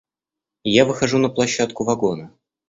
Я выхожу на площадку вагона.